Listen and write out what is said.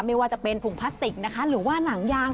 ไม่ว่าจะเป็นถุงพลาสติกนะคะหรือว่าหนังยาง